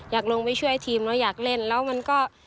อยากลงไปช่วยทีมแล้วอยากเล่นแล้วมันก็